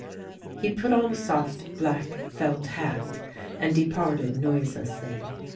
He put on a soft, black felt hat, and departed noiselessly...